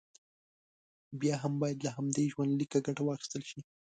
بیا هم باید له همدې ژوندلیکه ګټه واخیستل شي.